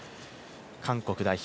韓国代表。